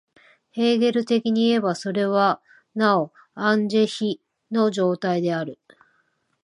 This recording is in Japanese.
ヘーゲル的にいえば、それはなおアン・ジヒの状態である。